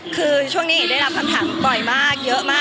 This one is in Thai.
คือช่วงนี้เอ๊ะได้รับคำถาม